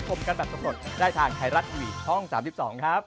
สวัสดีครับ